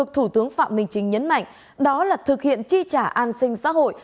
thực hiện chi trả an sinh xã hội